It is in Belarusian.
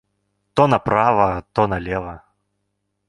То направа, то налева.